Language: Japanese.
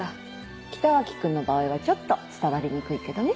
北脇君の場合はちょっと伝わりにくいけどね。